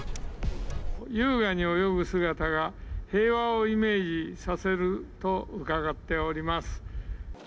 優雅に泳ぐ姿が、平和をイメージさせると伺っております。